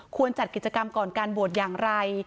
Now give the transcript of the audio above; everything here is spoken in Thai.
จัดกิจกรรมก่อนการบวชอย่างไร